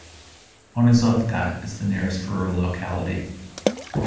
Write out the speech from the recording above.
Ponizovka is the nearest rural locality.